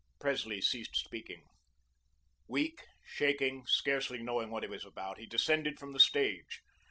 Presley ceased speaking. Weak, shaking, scarcely knowing what he was about, he descended from the stage.